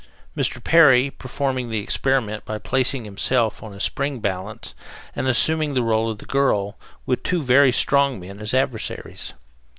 Mr. Perry performed the experiment by placing himself upon a spring balance and assuming the role of the girl, with two very strong men as adversaries.